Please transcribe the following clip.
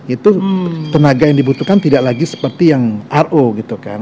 itu tenaga yang dibutuhkan tidak lagi seperti yang ro gitu kan